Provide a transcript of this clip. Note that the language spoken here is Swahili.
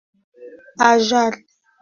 jedwali hili linatoa habari kamili ya ajali